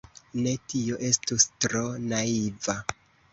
Ne, tio estus tro naiva.